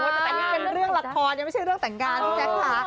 แต่อันนี้เป็นเรื่องละครยังไม่ใช่เรื่องแต่งงานพี่แจ๊คค่ะ